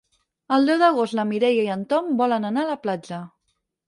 El deu d'agost na Mireia i en Tom volen anar a la platja.